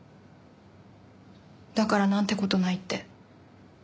だからなんて事ないって。